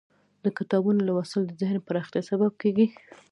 د کتابونو لوستل د ذهن پراختیا سبب کیږي.